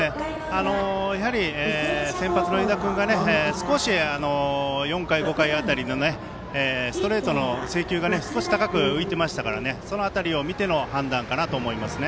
やはり、先発の湯田君が少し４回、５回辺りのストレートの制球が少し高く浮いていましたからその辺りを見ての判断かと思いますね。